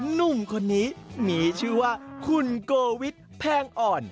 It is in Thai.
หนุ่มคนนี้มีชื่อว่าคุณโกวิทแพงอ่อน